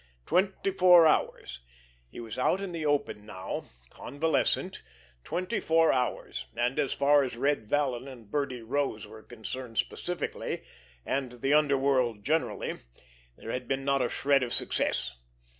Twenty four hours! He was out in the open now—"convalescent." Twenty four hours—and as far as Red Vallon and Birdie Rose were concerned specifically, and the underworld generally, there had been not a shred of success.